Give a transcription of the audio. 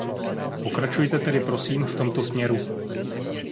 Pokračujte tedy prosím v tomto směru.